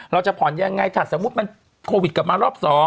เราจะผ่อนยังไงถ้าสมมุติมันโควิดกลับมารอบ๒